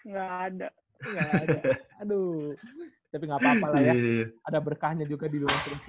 gak ada aduh tapi gapapa lah ya ada berkahnya juga di luar